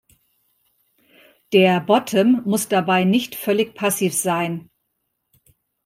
Der Bottom muss dabei nicht völlig passiv sein.